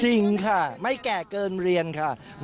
จริงค่ะไม่แก่เกินเรียนค่ะ